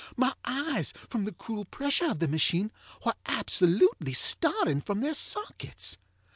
My eyes, from the cruel pressure of the machine, were absolutely starting from their sockets.